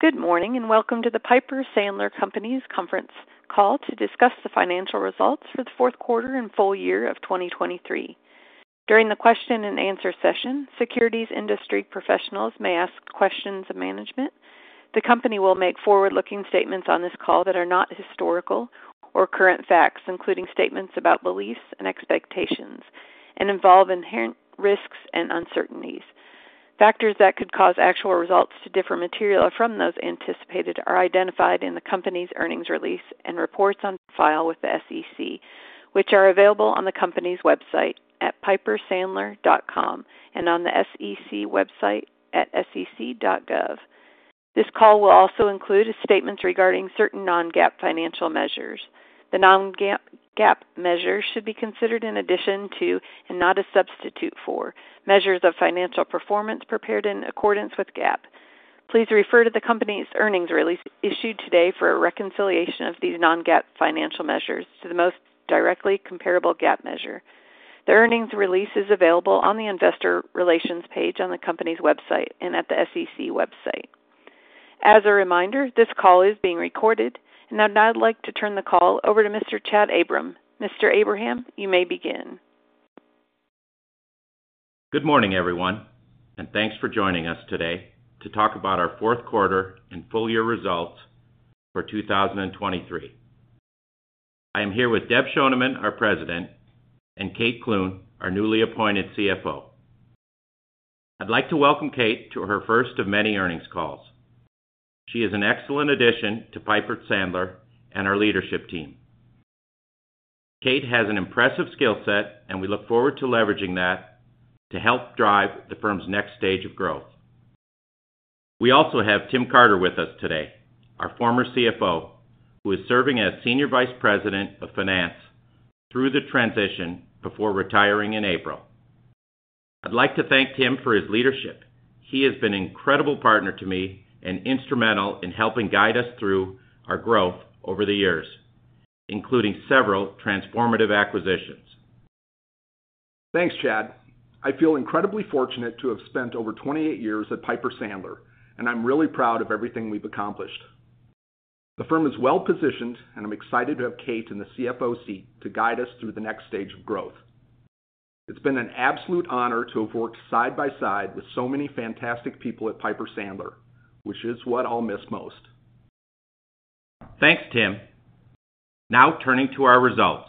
Good morning, and welcome to the Piper Sandler Companies conference call to discuss the financial results for the fourth quarter and full year of 2023. During the question-and-answer session, securities industry professionals may ask questions of management. The company will make forward-looking statements on this call that are not historical or current facts, including statements about beliefs and expectations, and involve inherent risks and uncertainties. Factors that could cause actual results to differ materially from those anticipated are identified in the company's earnings release and reports on file with the SEC, which are available on the company's website at pipersandler.com and on the SEC website at sec.gov. This call will also include statements regarding certain non-GAAP financial measures. The non-GAAP measure should be considered in addition to, and not a substitute for, measures of financial performance prepared in accordance with GAAP. Please refer to the company's earnings release issued today for a reconciliation of these non-GAAP financial measures to the most directly comparable GAAP measure. The earnings release is available on the investor relations page on the company's website and at the SEC website. As a reminder, this call is being recorded, and I'd now like to turn the call over to Mr. Chad Abraham. Mr. Abraham, you may begin. Good morning, everyone, and thanks for joining us today to talk about our fourth quarter and full year results for 2023. I am here with Deb Schoneman, our President, and Kate Clune, our newly appointed CFO. I'd like to welcome Kate to her first of many earnings calls. She is an excellent addition to Piper Sandler and our leadership team. Kate has an impressive skill set, and we look forward to leveraging that to help drive the firm's next stage of growth. We also have Tim Carter with us today, our former CFO, who is serving as Senior Vice President of Finance through the transition before retiring in April. I'd like to thank Tim for his leadership. He has been an incredible partner to me and instrumental in helping guide us through our growth over the years, including several transformative acquisitions. Thanks, Chad. I feel incredibly fortunate to have spent over 28 years at Piper Sandler, and I'm really proud of everything we've accomplished. The firm is well-positioned, and I'm excited to have Kate in the CFO seat to guide us through the next stage of growth. It's been an absolute honor to have worked side by side with so many fantastic people at Piper Sandler, which is what I'll miss most. Thanks, Tim. Now turning to our results.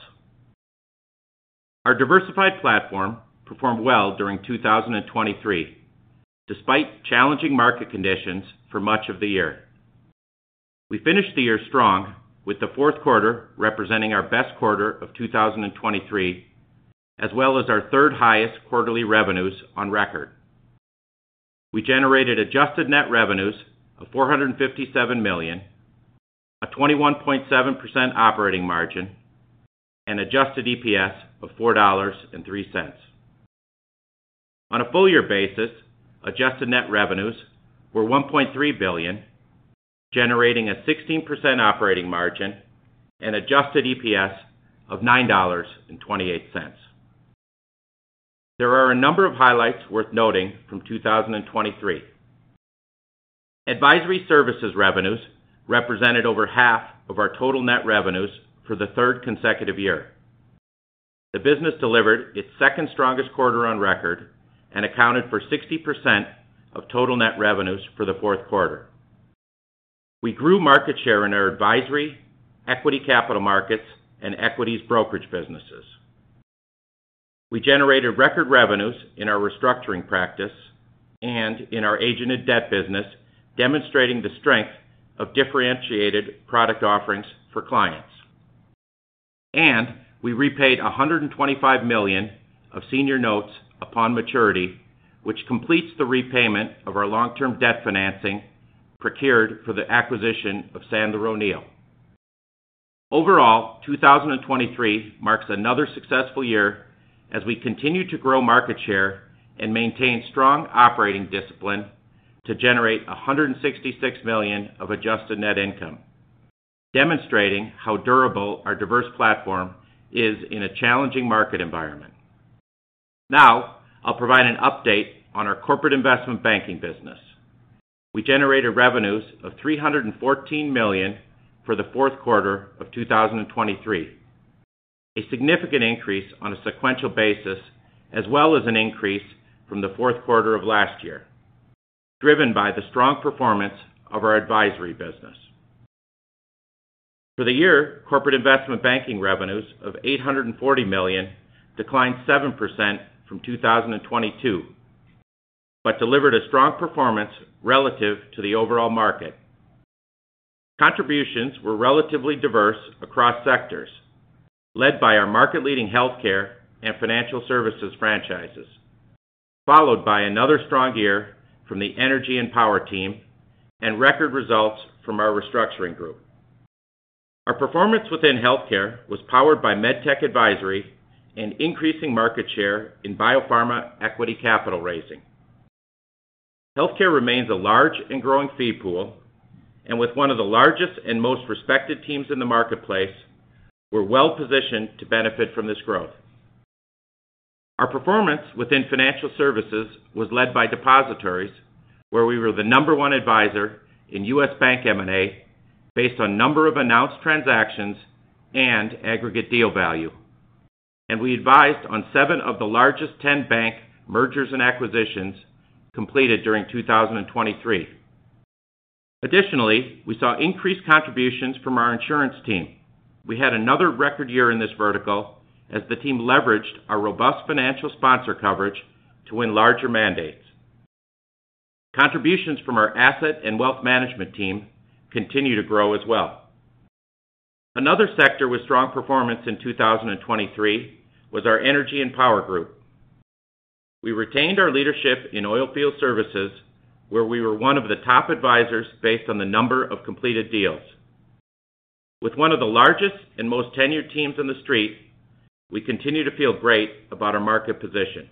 Our diversified platform performed well during 2023, despite challenging market conditions for much of the year. We finished the year strong, with the fourth quarter representing our best quarter of 2023, as well as our third highest quarterly revenues on record. We generated adjusted net revenues of $457 million, a 21.7% operating margin, and adjusted EPS of $4.03. On a full year basis, adjusted net revenues were $1.3 billion, generating a 16% operating margin and adjusted EPS of $9.28. There are a number of highlights worth noting from 2023. Advisory services revenues represented over half of our total net revenues for the third consecutive year. The business delivered its second strongest quarter on record and accounted for 60% of total net revenues for the fourth quarter. We grew market share in our advisory, equity capital markets, and equities brokerage businesses. We generated record revenues in our restructuring practice and in our agent and debt business, demonstrating the strength of differentiated product offerings for clients. We repaid $125 million of senior notes upon maturity, which completes the repayment of our long-term debt financing procured for the acquisition of Sandler O'Neill. Overall, 2023 marks another successful year as we continue to grow market share and maintain strong operating discipline to generate $166 million of adjusted net income, demonstrating how durable our diverse platform is in a challenging market environment. Now, I'll provide an update on our corporate investment banking business. We generated revenues of $314 million for the fourth quarter of 2023, a significant increase on a sequential basis, as well as an increase from the fourth quarter of last year, driven by the strong performance of our advisory business. For the year, corporate investment banking revenues of $840 million declined 7% from 2022, but delivered a strong performance relative to the overall market. Contributions were relatively diverse across sectors, led by our market-leading healthcare and financial services franchises, followed by another strong year from the energy and power team and record results from our restructuring group. Our performance within healthcare was powered by MedTech advisory and increasing market share in biopharma equity capital raising. Healthcare remains a large and growing fee pool, and with one of the largest and most respected teams in the marketplace, we're well-positioned to benefit from this growth. Our performance within financial services was led by depositories, where we were the number 1 advisor in U.S. bank M&A, based on number of announced transactions and aggregate deal value. We advised on seven of the largest 10 bank mergers and acquisitions completed during 2023. Additionally, we saw increased contributions from our insurance team. We had another record year in this vertical, as the team leveraged our robust financial sponsor coverage to win larger mandates. Contributions from our asset and wealth management team continue to grow as well. Another sector with strong performance in 2023 was our energy and power group. We retained our leadership in oilfield services, where we were one of the top advisors based on the number of completed deals. With one of the largest and most tenured teams on the street, we continue to feel great about our market position.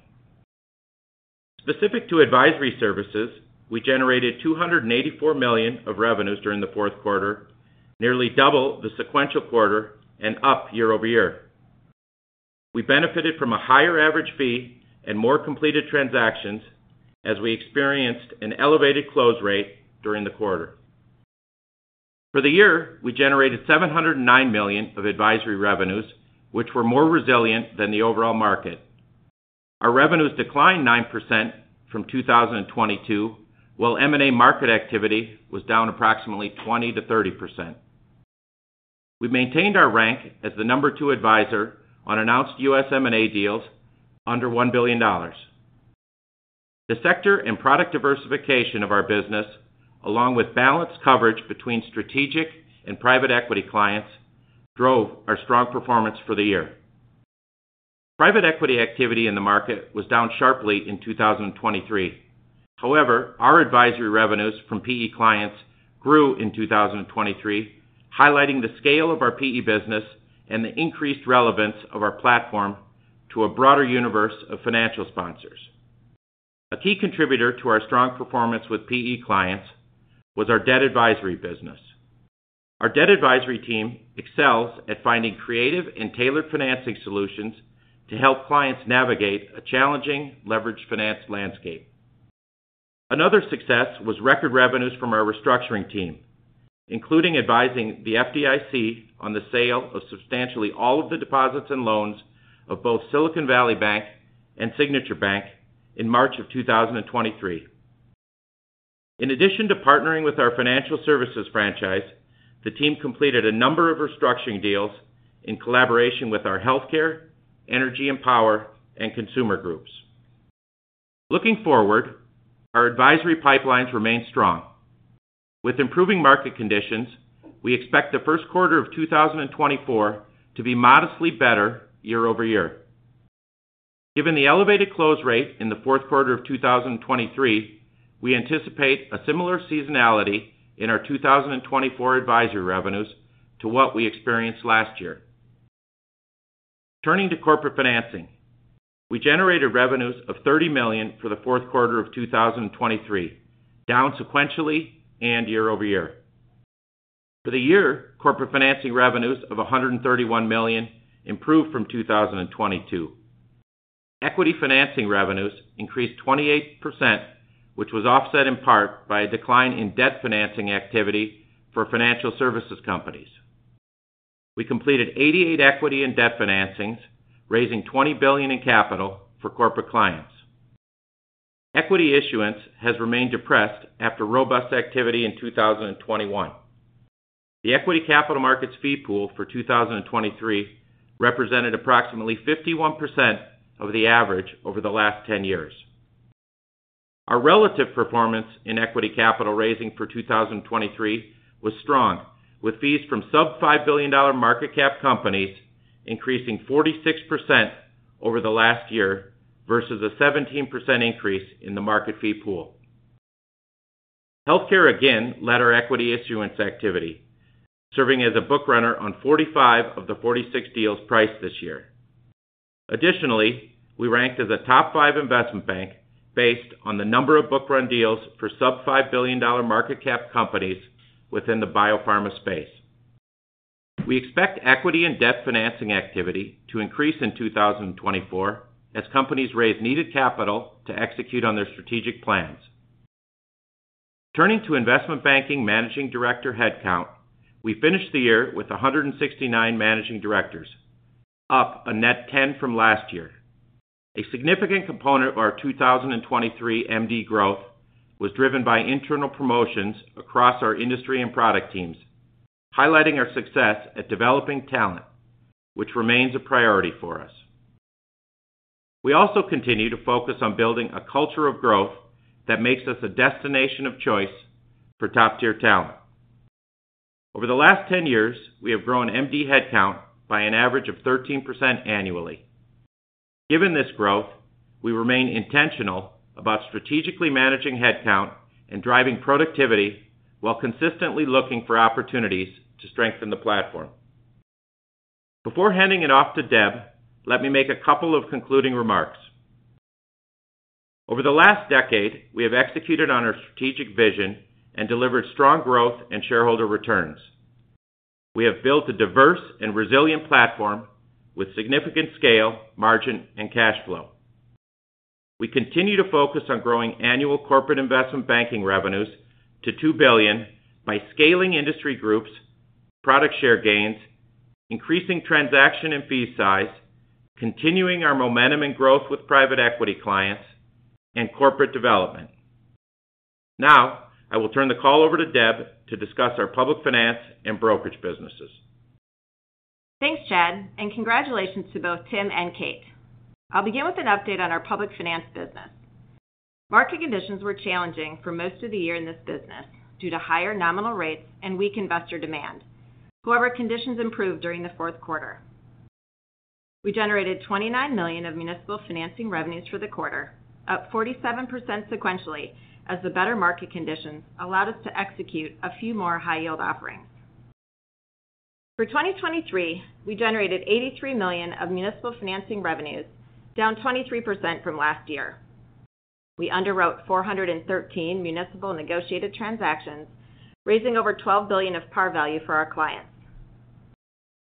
Specific to advisory services, we generated $284 million of revenues during the fourth quarter, nearly double the sequential quarter and up year-over-year. We benefited from a higher average fee and more completed transactions as we experienced an elevated close rate during the quarter. For the year, we generated $709 million of advisory revenues, which were more resilient than the overall market. Our revenues declined 9% from 2022, while M&A market activity was down approximately 20%-30%. We maintained our rank as the number 2 advisor on announced U.S. M&A deals under $1 billion. The sector and product diversification of our business, along with balanced coverage between strategic and private equity clients, drove our strong performance for the year. Private equity activity in the market was down sharply in 2023. However, our advisory revenues from PE clients grew in 2023, highlighting the scale of our PE business and the increased relevance of our platform to a broader universe of financial sponsors. A key contributor to our strong performance with PE clients was our debt advisory business. Our debt advisory team excels at finding creative and tailored financing solutions to help clients navigate a challenging leveraged finance landscape. Another success was record revenues from our restructuring team, including advising the FDIC on the sale of substantially all of the deposits and loans of both Silicon Valley Bank and Signature Bank in March 2023. In addition to partnering with our financial services franchise, the team completed a number of restructuring deals in collaboration with our healthcare, energy and power, and consumer groups. Looking forward, our advisory pipelines remain strong. With improving market conditions, we expect the first quarter of 2024 to be modestly better year-over-year. Given the elevated close rate in the fourth quarter of 2023, we anticipate a similar seasonality in our 2024 advisory revenues to what we experienced last year. Turning to corporate financing, we generated revenues of $30 million for the fourth quarter of 2023, down sequentially and year-over-year. For the year, corporate financing revenues of $131 million improved from 2022. Equity financing revenues increased 28%, which was offset in part by a decline in debt financing activity for financial services companies. We completed 88 equity and debt financings, raising $20 billion in capital for corporate clients. Equity issuance has remained depressed after robust activity in 2021. The equity capital markets fee pool for 2023 represented approximately 51% of the average over the last 10 years. Our relative performance in equity capital raising for 2023 was strong, with fees from sub-$5 billion market cap companies increasing 46% over the last year, versus a 17% increase in the market fee pool. Healthcare again led our equity issuance activity, serving as a bookrunner on 45 of the 46 deals priced this year. Additionally, we ranked as a top 5 investment bank based on the number of book-run deals for sub-$5 billion market cap companies within the biopharma space. We expect equity and debt financing activity to increase in 2024, as companies raise needed capital to execute on their strategic plans. Turning to investment banking managing director headcount, we finished the year with 169 managing directors, up a net 10 from last year. A significant component of our 2023 MD growth was driven by internal promotions across our industry and product teams, highlighting our success at developing talent, which remains a priority for us. We also continue to focus on building a culture of growth that makes us a destination of choice for top-tier talent. Over the last 10 years, we have grown MD headcount by an average of 13% annually. Given this growth, we remain intentional about strategically managing headcount and driving productivity while consistently looking for opportunities to strengthen the platform. Before handing it off to Deb, let me make a couple of concluding remarks. Over the last decade, we have executed on our strategic vision and delivered strong growth and shareholder returns. We have built a diverse and resilient platform with significant scale, margin, and cash flow. We continue to focus on growing annual corporate investment banking revenues to $2 billion by scaling industry groups, product share gains, increasing transaction and fee size, continuing our momentum and growth with private equity clients, and corporate development. Now, I will turn the call over to Deb to discuss our public finance and brokerage businesses. Thanks, Chad, and congratulations to both Tim and Kate. I'll begin with an update on our public finance business. Market conditions were challenging for most of the year in this business due to higher nominal rates and weak investor demand. However, conditions improved during the fourth quarter. We generated $29 million of municipal financing revenues for the quarter, up 47% sequentially, as the better market conditions allowed us to execute a few more high-yield offerings. For 2023, we generated $83 million of municipal financing revenues, down 23% from last year. We underwrote 413 municipal negotiated transactions, raising over $12 billion of par value for our clients.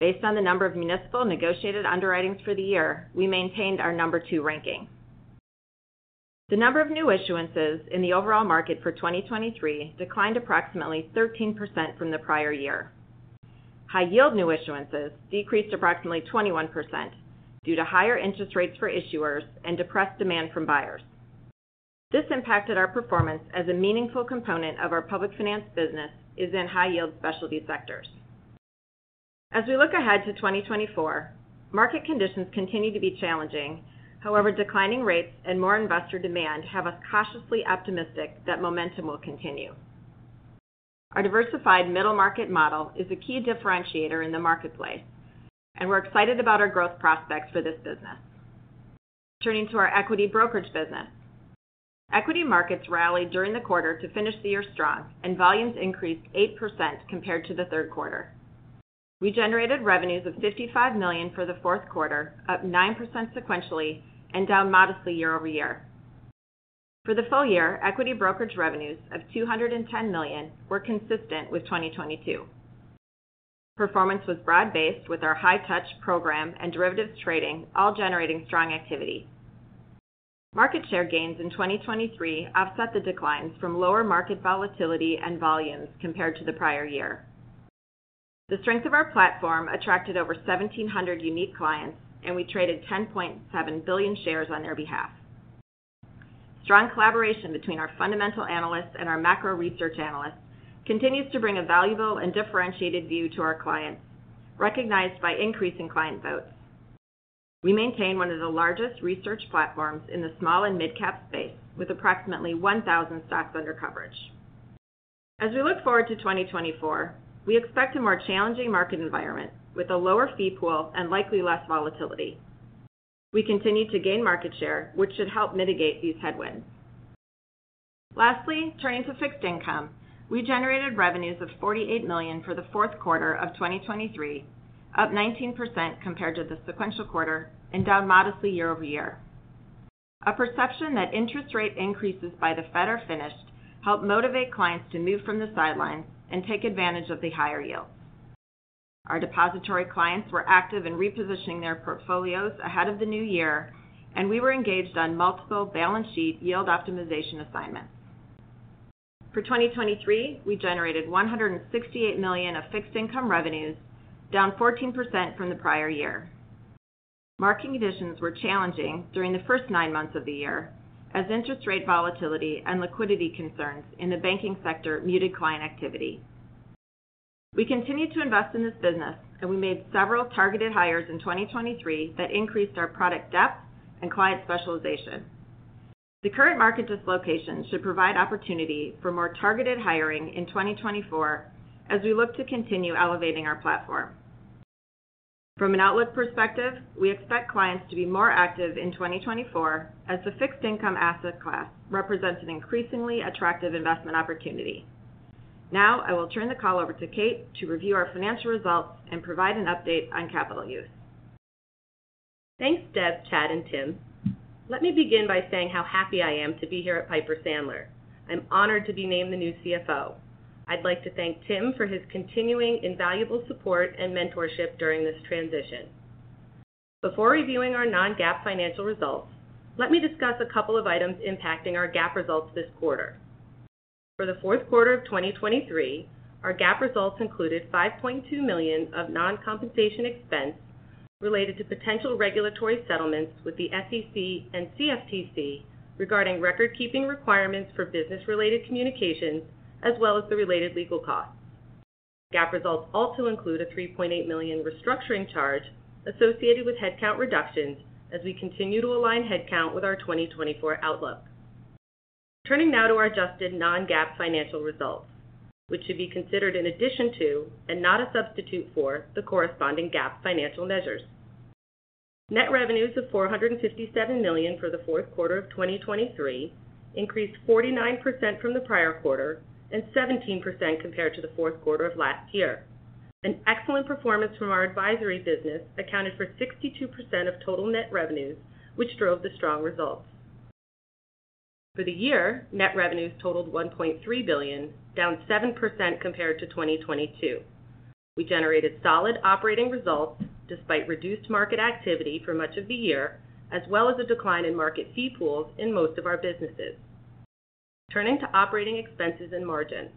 Based on the number of municipal negotiated underwritings for the year, we maintained our number 2 ranking. The number of new issuances in the overall market for 2023 declined approximately 13% from the prior year. High yield new issuances decreased approximately 21% due to higher interest rates for issuers and depressed demand from buyers. This impacted our performance as a meaningful component of our public finance business is in high-yield specialty sectors. As we look ahead to 2024, market conditions continue to be challenging. However, declining rates and more investor demand have us cautiously optimistic that momentum will continue. Our diversified middle market model is a key differentiator in the marketplace, and we're excited about our growth prospects for this business. Turning to our equity brokerage business. Equity markets rallied during the quarter to finish the year strong, and volumes increased 8% compared to the third quarter. We generated revenues of $55 million for the fourth quarter, up 9% sequentially, and down modestly year-over-year. For the full year, equity brokerage revenues of $210 million were consistent with 2022. Performance was broad-based, with our high-touch program and derivatives trading, all generating strong activity. Market share gains in 2023 offset the declines from lower market volatility and volumes compared to the prior year. The strength of our platform attracted over 1,700 unique clients, and we traded 10.7 billion shares on their behalf. Strong collaboration between our fundamental analysts and our macro research analysts continues to bring a valuable and differentiated view to our clients, recognized by increasing client votes. We maintain one of the largest research platforms in the small- and mid-cap space, with approximately 1,000 stocks under coverage. As we look forward to 2024, we expect a more challenging market environment with a lower fee pool and likely less volatility. We continue to gain market share, which should help mitigate these headwinds. Lastly, turning to fixed income. We generated revenues of $48 million for the fourth quarter of 2023, up 19% compared to the sequential quarter and down modestly year-over-year. A perception that interest rate increases by the Fed are finished, helped motivate clients to move from the sidelines and take advantage of the higher yields. Our depository clients were active in repositioning their portfolios ahead of the new year, and we were engaged on multiple balance sheet yield optimization assignments. For 2023, we generated $168 million of fixed income revenues, down 14% from the prior year. Market conditions were challenging during the first nine months of the year, as interest rate volatility and liquidity concerns in the banking sector muted client activity. We continued to invest in this business, and we made several targeted hires in 2023 that increased our product depth and client specialization. The current market dislocation should provide opportunity for more targeted hiring in 2024, as we look to continue elevating our platform. From an outlook perspective, we expect clients to be more active in 2024, as the fixed income asset class represents an increasingly attractive investment opportunity. Now, I will turn the call over to Kate to review our financial results and provide an update on capital use. Thanks, Deb, Chad, and Tim. Let me begin by saying how happy I am to be here at Piper Sandler. I'm honored to be named the new CFO. I'd like to thank Tim for his continuing invaluable support and mentorship during this transition. Before reviewing our non-GAAP financial results, let me discuss a couple of items impacting our GAAP results this quarter. For the fourth quarter of 2023, our GAAP results included $5.2 million of non-compensation expense related to potential regulatory settlements with the SEC and CFTC regarding record-keeping requirements for business-related communications, as well as the related legal costs. GAAP results also include a $3.8 million restructuring charge associated with headcount reductions as we continue to align headcount with our 2024 outlook. Turning now to our adjusted non-GAAP financial results, which should be considered in addition to and not a substitute for the corresponding GAAP financial measures. Net revenues of $457 million for the fourth quarter of 2023 increased 49% from the prior quarter and 17% compared to the fourth quarter of last year. An excellent performance from our advisory business accounted for 62% of total net revenues, which drove the strong results. For the year, net revenues totaled $1.3 billion, down 7% compared to 2022. We generated solid operating results despite reduced market activity for much of the year, as well as a decline in market fee pools in most of our businesses. Turning to operating expenses and margins.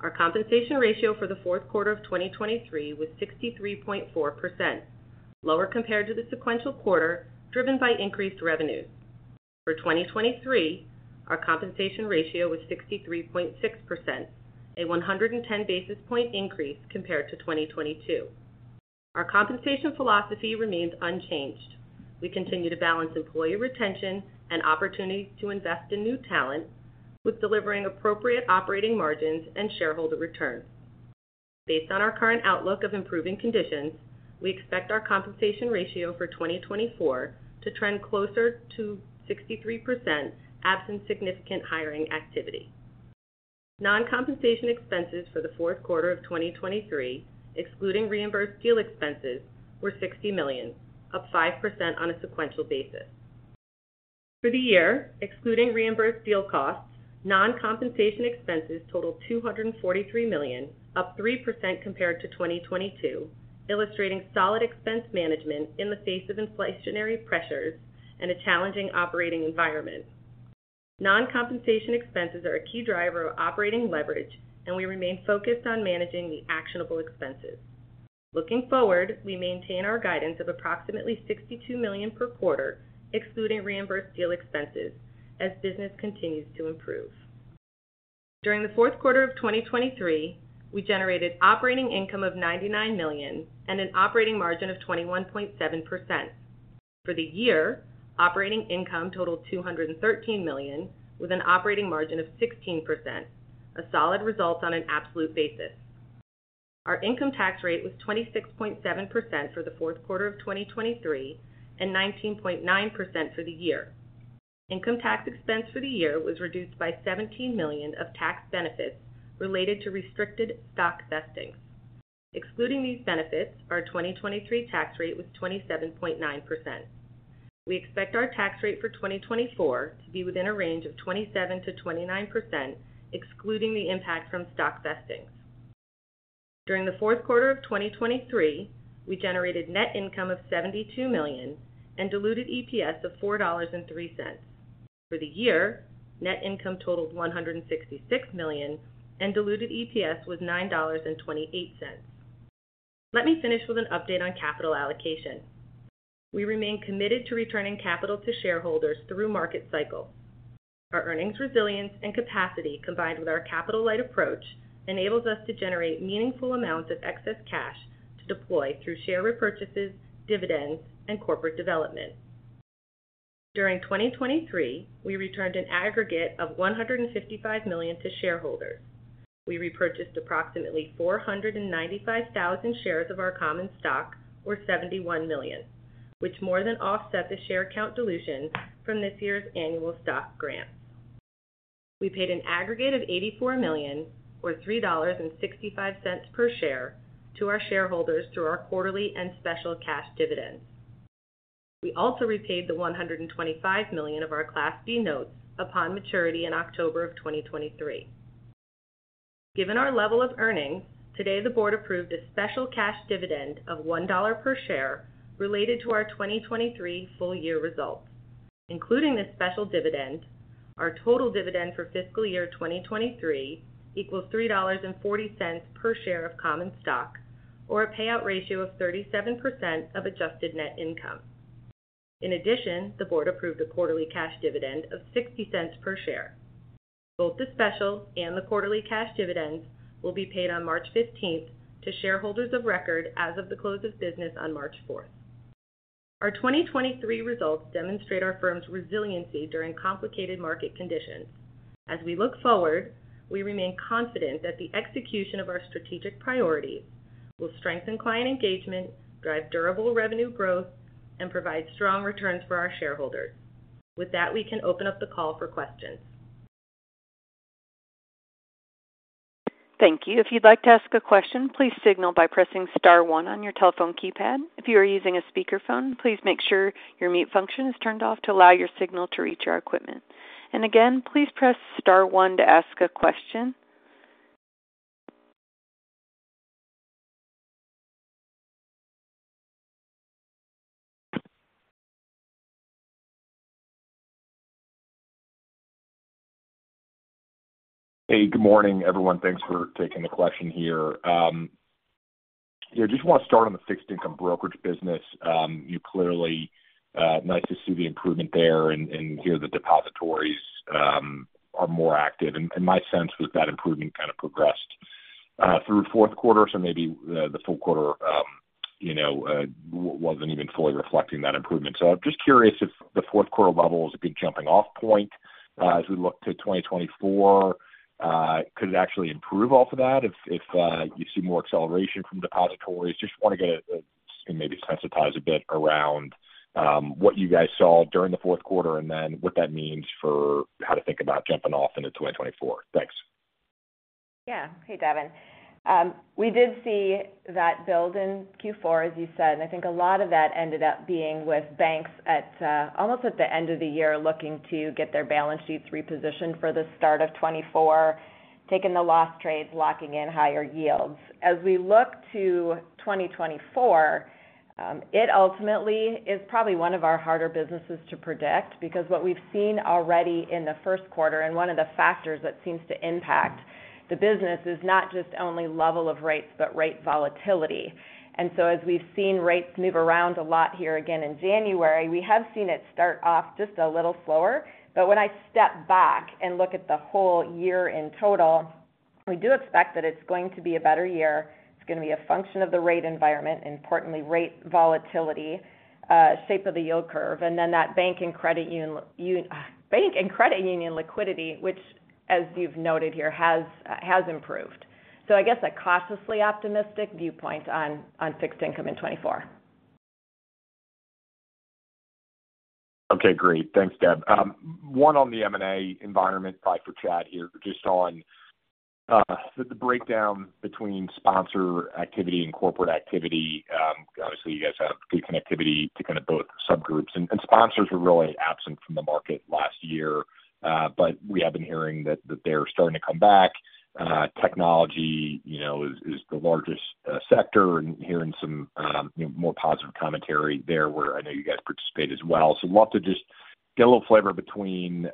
Our compensation ratio for the fourth quarter of 2023 was 63.4%, lower compared to the sequential quarter, driven by increased revenues. For 2023, our compensation ratio was 63.6%, a 110 basis point increase compared to 2022. Our compensation philosophy remains unchanged. We continue to balance employee retention and opportunities to invest in new talent with delivering appropriate operating margins and shareholder returns. Based on our current outlook of improving conditions, we expect our compensation ratio for 2024 to trend closer to 63%, absent significant hiring activity. Non-compensation expenses for the fourth quarter of 2023, excluding reimbursed deal expenses, were $60 million, up 5% on a sequential basis. For the year, excluding reimbursed deal costs, non-compensation expenses totaled $243 million, up 3% compared to 2022, illustrating solid expense management in the face of inflationary pressures and a challenging operating environment. Non-compensation expenses are a key driver of operating leverage, and we remain focused on managing the actionable expenses. Looking forward, we maintain our guidance of approximately $62 million per quarter, excluding reimbursed deal expenses, as business continues to improve. During the fourth quarter of 2023, we generated operating income of $99 million and an operating margin of 21.7%. For the year, operating income totaled $213 million, with an operating margin of 16%, a solid result on an absolute basis. Our income tax rate was 26.7% for the fourth quarter of 2023 and 19.9% for the year. Income tax expense for the year was reduced by $17 million of tax benefits related to restricted stock vestings. Excluding these benefits, our 2023 tax rate was 27.9%. We expect our tax rate for 2024 to be within a range of 27%-29%, excluding the impact from stock vestings. During the fourth quarter of 2023, we generated net income of $72 million and diluted EPS of $4.03. For the year, net income totaled $166 million, and diluted EPS was $9.28. Let me finish with an update on capital allocation. We remain committed to returning capital to shareholders through market cycles. Our earnings resilience and capacity, combined with our capital-light approach, enables us to generate meaningful amounts of excess cash to deploy through share repurchases, dividends, and corporate development. During 2023, we returned an aggregate of $155 million to shareholders. We repurchased approximately 495,000 shares of our common stock, or $71 million, which more than offset the share count dilution from this year's annual stock grants. We paid an aggregate of $84 million, or $3.65 per share, to our shareholders through our quarterly and special cash dividends. We also repaid the $125 million of our Class B notes upon maturity in October of 2023. Given our level of earnings, today, the board approved a special cash dividend of $1 per share related to our 2023 full year results. Including this special dividend, our total dividend for fiscal year 2023 equals $3.40 per share of common stock, or a payout ratio of 37% of adjusted net income. In addition, the board approved a quarterly cash dividend of $0.60 per share. Both the special and the quarterly cash dividends will be paid on March 15 to shareholders of record as of the close of business on March 4. Our 2023 results demonstrate our firm's resiliency during complicated market conditions. As we look forward, we remain confident that the execution of our strategic priorities will strengthen client engagement, drive durable revenue growth, and provide strong returns for our shareholders. With that, we can open up the call for questions. Thank you. If you'd like to ask a question, please signal by pressing star one on your telephone keypad. If you are using a speakerphone, please make sure your mute function is turned off to allow your signal to reach our equipment. And again, please press star one to ask a question. Hey, good morning, everyone. Thanks for taking the question here. Yeah, just want to start on the fixed income brokerage business. You clearly nice to see the improvement there and hear the depositories are more active. My sense was that improvement kind of progressed through fourth quarter. So maybe the full quarter you know wasn't even fully reflecting that improvement. So I'm just curious if the fourth quarter level is a good jumping off point as we look to 2024, could it actually improve off of that if you see more acceleration from depositories? Just want to get a maybe sensitize a bit around what you guys saw during the fourth quarter and then what that means for how to think about jumping off into 2024. Thanks. Yeah. Hey, Devin. We did see that build in Q4, as you said, and I think a lot of that ended up being with banks at almost at the end of the year, looking to get their balance sheets repositioned for the start of 2024, taking the loss trades, locking in higher yields. As we look to 2024, it ultimately is probably one of our harder businesses to predict because what we've seen already in the first quarter, and one of the factors that seems to impact the business, is not just only level of rates, but rate volatility. And so as we've seen rates move around a lot here again in January, we have seen it start off just a little slower. But when I step back and look at the whole year in total, we do expect that it's going to be a better year. It's gonna be a function of the rate environment, and importantly, rate volatility, shape of the yield curve, and then that bank and credit union liquidity, which, as you've noted here, has improved. So I guess a cautiously optimistic viewpoint on fixed income in 2024. Okay, great. Thanks, Deb. One on the M&A environment, probably for Chad here, just on the breakdown between sponsor activity and corporate activity. Obviously, you guys have good connectivity to kind of both subgroups, and sponsors were really absent from the market last year. But we have been hearing that they're starting to come back. Technology, you know, is the largest sector, and hearing some you know more positive commentary there, where I know you guys participate as well. So love to just get a little flavor between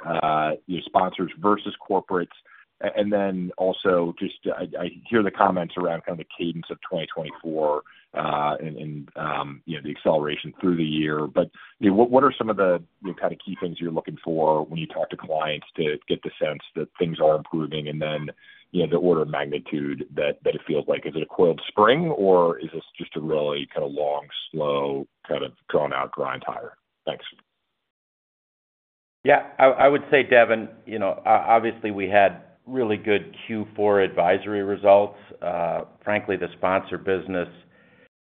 your sponsors versus corporates, and then also just I hear the comments around kind of the cadence of 2024, and you know the acceleration through the year. You know, what are some of the, you know, kind of key things you're looking for when you talk to clients to get the sense that things are improving, and then, you know, the order of magnitude that it feels like? Is it a coiled spring, or is this just a really kind of long, slow, kind of drawn-out grind higher? Thanks. Yeah. I would say, Devin, you know, obviously, we had really good Q4 advisory results. Frankly, the sponsor business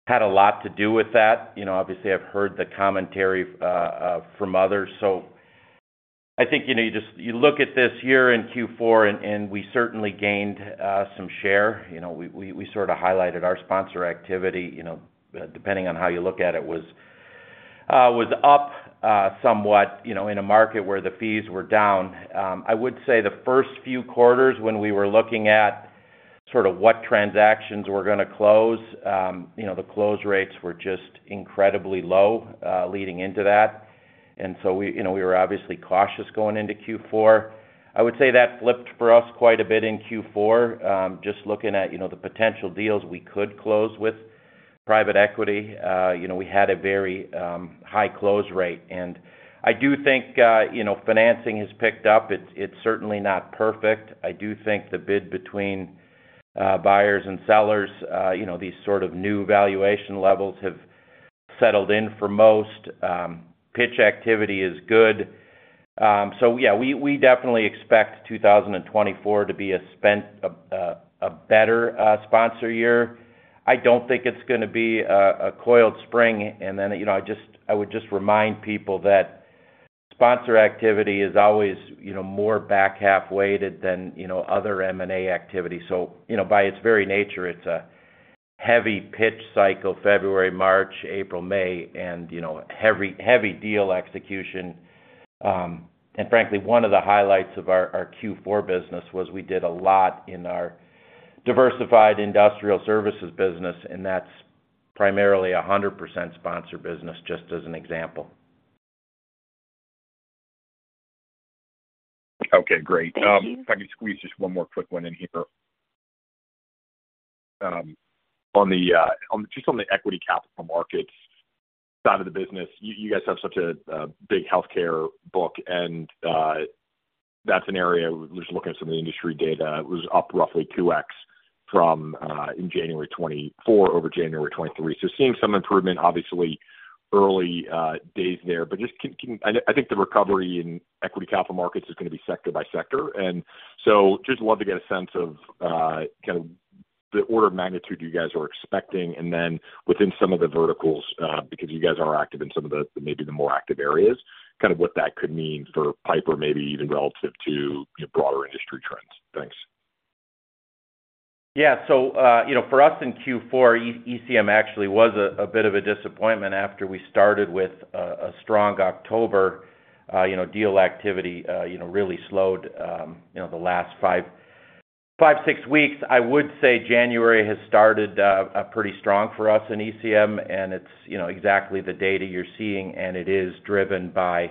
had a lot to do with that. You know, obviously, I've heard the commentary from others. So I think, you know, you look at this year in Q4, and we certainly gained some share. You know, we sort of highlighted our sponsor activity, you know, depending on how you look at it, was up somewhat, you know, in a market where the fees were down. I would say the first few quarters, when we were looking at sort of what transactions were gonna close, you know, the close rates were just incredibly low leading into that. And so we, you know, we were obviously cautious going into Q4. I would say that flipped for us quite a bit in Q4. Just looking at, you know, the potential deals we could close with private equity, you know, we had a very high close rate. And I do think, you know, financing has picked up. It's certainly not perfect. I do think the bid between buyers and sellers, you know, these sort of new valuation levels have settled in for most. Pitch activity is good. So yeah, we definitely expect 2024 to be a better sponsor year. I don't think it's gonna be a coiled spring, and then, you know, I just... I would just remind people that sponsor activity is always, you know, more back-half-weighted than, you know, other M&A activity. So, you know, by its very nature, it's a heavy pitch cycle, February, March, April, May, and, you know, heavy, heavy deal execution. And frankly, one of the highlights of our, our Q4 business was we did a lot in our diversified industrial services business, and that's primarily 100% sponsor business, just as an example. Okay, great. Thank you. If I could squeeze just one more quick one in here. On just on the equity capital markets side of the business, you guys have such a big healthcare book, and that's an area we're just looking at some of the industry data. It was up roughly 2x from in January 2024 over January 2023. So seeing some improvement, obviously, early days there. But just can, can... I, I think the recovery in equity capital markets is gonna be sector by sector, and so just love to get a sense of, kind of the order of magnitude you guys are expecting, and then within some of the verticals, because you guys are active in some of the, maybe the more active areas, kind of what that could mean for Piper, maybe even relative to, you know, broader industry trends. Thanks. Yeah. So, you know, for us in Q4, ECM actually was a bit of a disappointment after we started with a strong October. You know, deal activity really slowed, you know, the last 5, 6 weeks. I would say January has started pretty strong for us in ECM, and it's, you know, exactly the data you're seeing, and it is driven by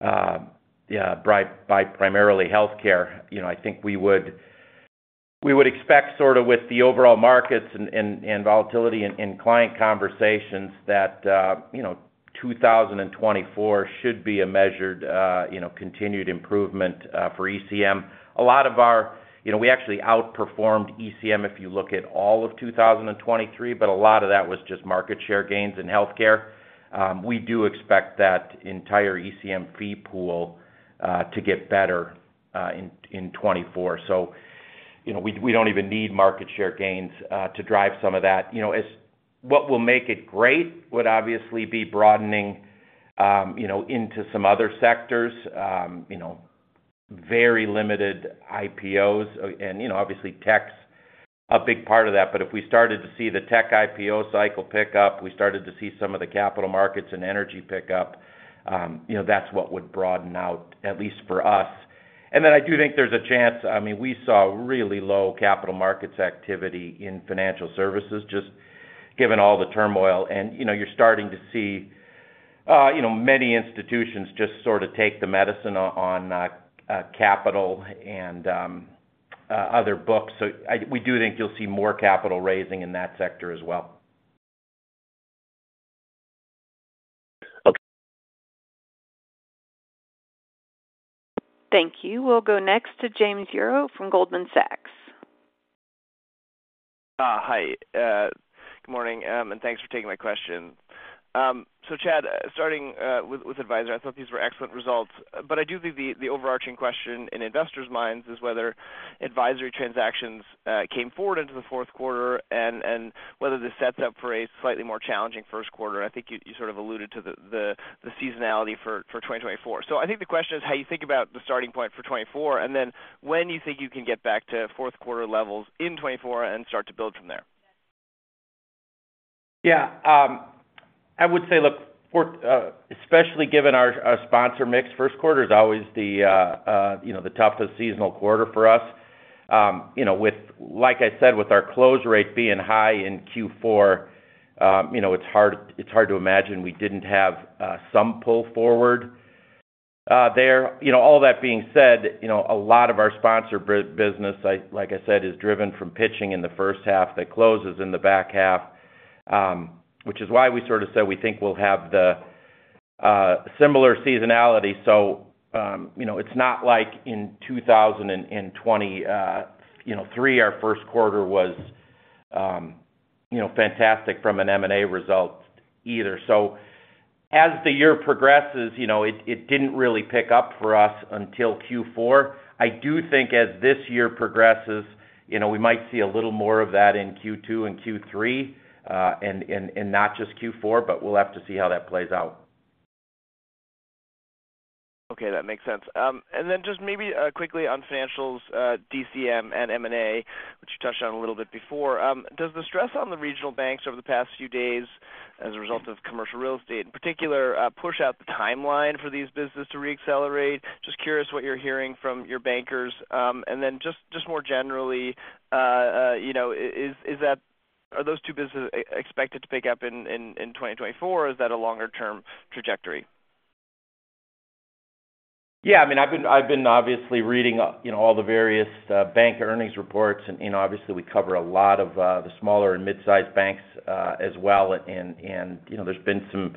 primarily healthcare. You know, I think we would expect sort of with the overall markets and volatility in client conversations, that, you know, 2024 should be a measured, you know, continued improvement for ECM. A lot of our... You know, we actually outperformed ECM if you look at all of 2023, but a lot of that was just market share gains in healthcare. We do expect that entire ECM fee pool to get better in 2024. So, you know, we don't even need market share gains to drive some of that. You know, what will make it great would obviously be broadening... you know, into some other sectors. You know, very limited IPOs. And, you know, obviously, tech's a big part of that, but if we started to see the tech IPO cycle pick up, we started to see some of the capital markets and energy pick up, you know, that's what would broaden out, at least for us. And then I do think there's a chance -- I mean, we saw really low capital markets activity in financial services, just given all the turmoil. You know, you're starting to see, you know, many institutions just sort of take the medicine on capital and other books. So, we do think you'll see more capital raising in that sector as well. Thank you. We'll go next to James Yaro from Goldman Sachs. Hi. Good morning, and thanks for taking my question. So Chad, starting with Advisor, I thought these were excellent results, but I do think the overarching question in investors' minds is whether advisory transactions came forward into the fourth quarter and whether this sets up for a slightly more challenging first quarter. I think you sort of alluded to the seasonality for 2024. So I think the question is how you think about the starting point for 2024, and then when you think you can get back to fourth quarter levels in 2024 and start to build from there? Yeah. I would say, look, for, especially given our, our sponsor mix, first quarter is always the, you know, the toughest seasonal quarter for us. You know, with- like I said, with our close rate being high in Q4, you know, it's hard, it's hard to imagine we didn't have, some pull forward, there. You know, all that being said, you know, a lot of our sponsor business, like I said, is driven from pitching in the first half that closes in the back half, which is why we sort of said, we think we'll have the, similar seasonality. So, you know, it's not like in 2023, our first quarter was, you know, fantastic from an M&A result either. So as the year progresses, you know, it didn't really pick up for us until Q4. I do think as this year progresses, you know, we might see a little more of that in Q2 and Q3, and not just Q4, but we'll have to see how that plays out. Okay, that makes sense. And then just maybe, quickly on financials, DCM and M&A, which you touched on a little bit before. Does the stress on the regional banks over the past few days as a result of commercial real estate, in particular, push out the timeline for these business to reaccelerate? Just curious what you're hearing from your bankers. And then just more generally, you know, is that are those two businesses expected to pick up in 2024, or is that a longer-term trajectory? Yeah, I mean, I've been obviously reading, you know, all the various bank earnings reports, and, you know, obviously, we cover a lot of the smaller and mid-sized banks, as well. You know, there's been some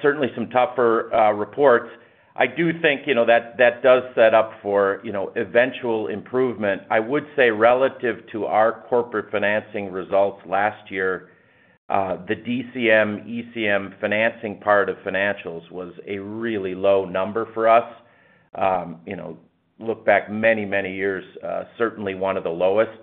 certainly some tougher reports. I do think, you know, that does set up for, you know, eventual improvement. I would say relative to our corporate financing results last year, the DCM, ECM financing part of financials was a really low number for us. You know, look back many, many years, certainly one of the lowest.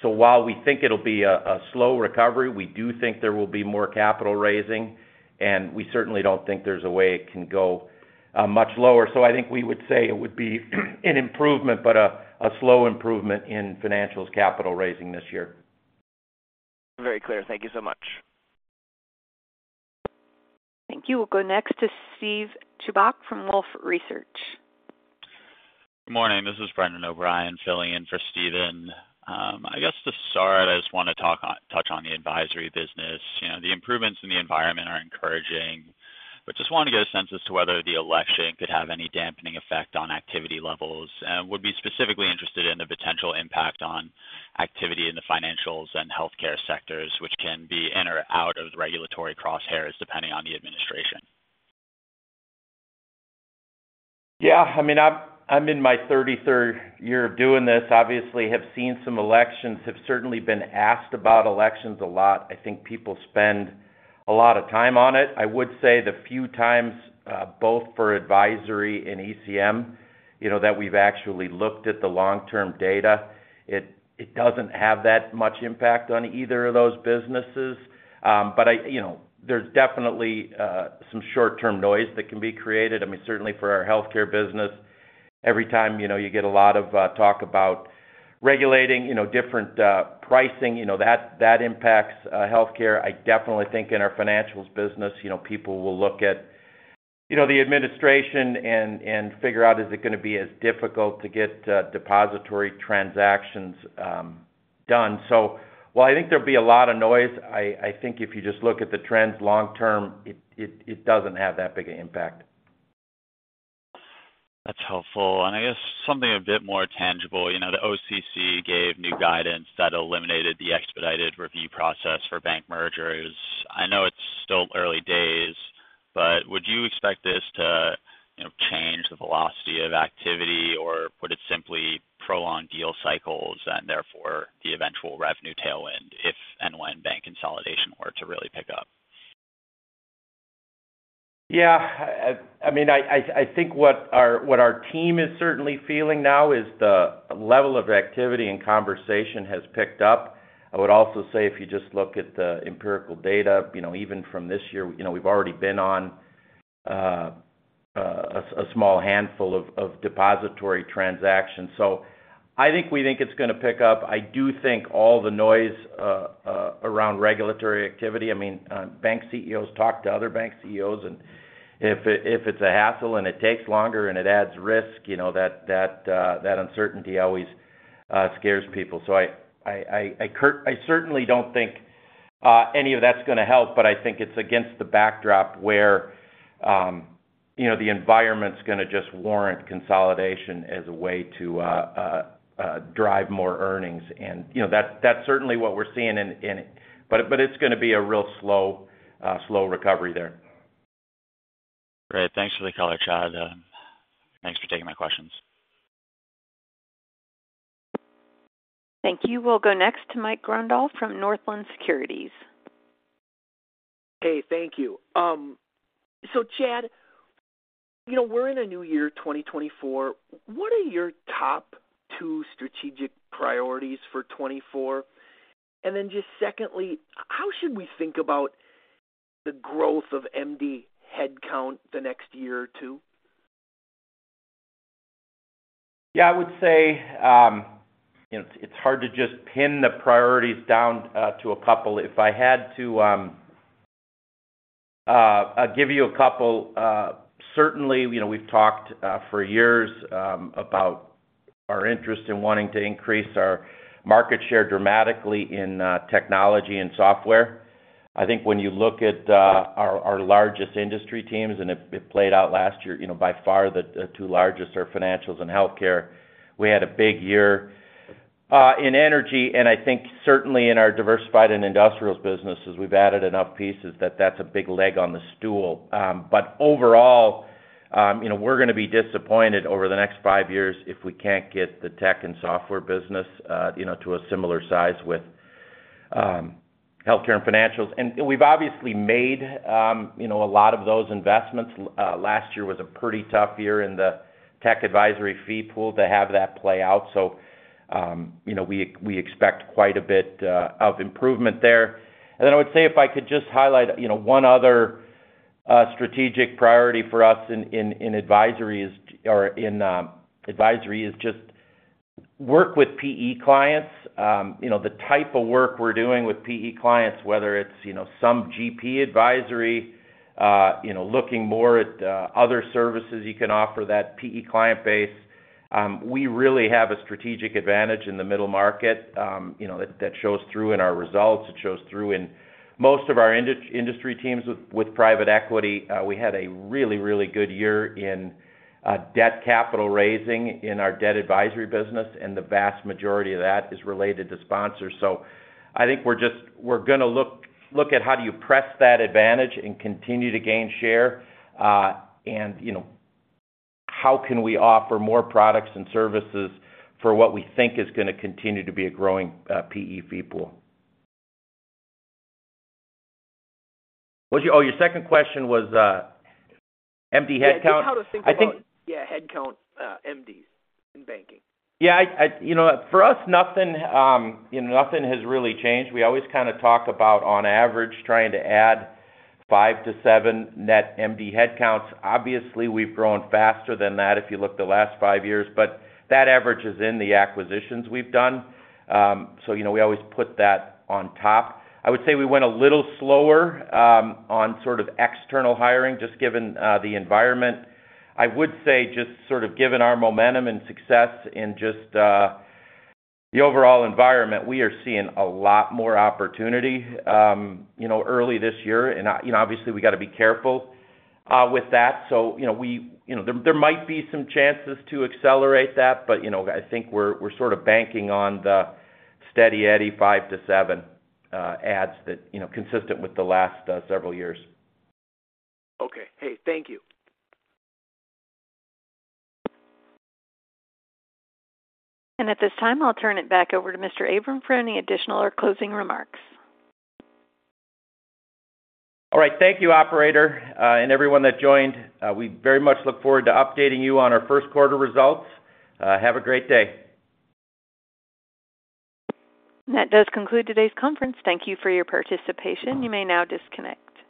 So while we think it'll be a slow recovery, we do think there will be more capital raising, and we certainly don't think there's a way it can go much lower. I think we would say it would be an improvement, but a slow improvement in financials capital raising this year. Very clear. Thank you so much. Thank you. We'll go next to Steve Chubak from Wolfe Research. Good morning. This is Brendan O'Brien, filling in for Steven. I guess to start, I just want to touch on the advisory business. You know, the improvements in the environment are encouraging, but just want to get a sense as to whether the election could have any dampening effect on activity levels. And would be specifically interested in the potential impact on activity in the financials and healthcare sectors, which can be in or out of the regulatory crosshairs, depending on the administration. Yeah, I mean, I'm in my 33rd year of doing this, obviously have seen some elections, have certainly been asked about elections a lot. I think people spend a lot of time on it. I would say the few times, both for advisory and ECM, you know, that we've actually looked at the long-term data, it doesn't have that much impact on either of those businesses. But I, you know, there's definitely some short-term noise that can be created. I mean, certainly for our healthcare business, every time, you know, you get a lot of talk about regulating, you know, different pricing, you know, that impacts healthcare. I definitely think in our financials business, you know, people will look at, you know, the administration and figure out, is it gonna be as difficult to get depository transactions done? So while I think there'll be a lot of noise, I think if you just look at the trends long term, it doesn't have that big an impact. That's helpful. I guess something a bit more tangible. You know, the OCC gave new guidance that eliminated the expedited review process for bank mergers. I know it's still early days, but would you expect this to, you know, change the velocity of activity or put it simply, prolong deal cycles, and therefore, the eventual revenue tailwind, if and when bank consolidation were to really pick up? Yeah, I mean, I think what our team is certainly feeling now is the level of activity and conversation has picked up. I would also say, if you just look at the empirical data, you know, even from this year, you know, we've already been on a small handful of depository transactions. So I think it's gonna pick up. I do think all the noise around regulatory activity, I mean, bank CEOs talk to other bank CEOs, and if it's a hassle and it takes longer and it adds risk, you know, that uncertainty always scares people. So I certainly don't think any of that's gonna help, but I think it's against the backdrop where, you know, the environment's gonna just warrant consolidation as a way to drive more earnings. And, you know, that's certainly what we're seeing in it, but it's gonna be a real slow recovery there. Great. Thanks for the color, Chad. Thanks for taking my questions. Thank you. We'll go next to Mike Grondahl from Northland Securities. Hey, thank you. So Chad, you know, we're in a new year, 2024. What are your top two strategic priorities for 2024? And then just secondly, how should we think about the growth of MD headcount the next year or two? Yeah, I would say, you know, it's hard to just pin the priorities down to a couple. If I had to, I'll give you a couple. Certainly, you know, we've talked for years about our interest in wanting to increase our market share dramatically in technology and software. I think when you look at our largest industry teams, and it played out last year, you know, by far the two largest are financials and healthcare. We had a big year in energy, and I think certainly in our diversified and industrials businesses, we've added enough pieces that that's a big leg on the stool. But overall, you know, we're gonna be disappointed over the next five years if we can't get the tech and software business, you know, to a similar size with healthcare and financials. And we've obviously made, you know, a lot of those investments. Last year was a pretty tough year in the tech advisory fee pool to have that play out. So, you know, we expect quite a bit of improvement there. And then I would say, if I could just highlight, you know, one other strategic priority for us in advisory is just work with PE clients. You know, the type of work we're doing with PE clients, whether it's, you know, some GP advisory, you know, looking more at other services you can offer that PE client base, we really have a strategic advantage in the middle market. You know, that shows through in our results. It shows through in most of our industry teams with private equity. We had a really, really good year in debt capital raising in our debt advisory business, and the vast majority of that is related to sponsors. So I think we're gonna look at how do you press that advantage and continue to gain share, and you know, how can we offer more products and services for what we think is gonna continue to be a growing PE fee pool? What's your... Oh, your second question was, MD headcount? Yeah, just how to think about- I think- Yeah, headcount, MDs in banking. Yeah, you know, for us, nothing, you know, nothing has really changed. We always kind of talk about, on average, trying to add 5-7 net MD headcounts. Obviously, we've grown faster than that if you look the last 5 years, but that average is in the acquisitions we've done. So you know, we always put that on top. I would say we went a little slower on sort of external hiring, just given the environment. I would say, just sort of given our momentum and success in just the overall environment, we are seeing a lot more opportunity, you know, early this year. You know, obviously, we got to be careful with that. So, you know, there might be some chances to accelerate that, but, you know, I think we're sort of banking on the Steady Eddie, 5-7 adds that, you know, consistent with the last several years. Okay. Hey, thank you. At this time, I'll turn it back over to Mr. Abraham for any additional or closing remarks. All right. Thank you, operator, and everyone that joined. We very much look forward to updating you on our first quarter results. Have a great day. That does conclude today's conference. Thank you for your participation. You may now disconnect.